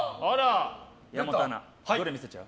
山本アナ、どれ見せちゃう？